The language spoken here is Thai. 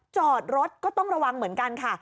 จอดรถก็ต้องระวังเหมือนกันค่ะ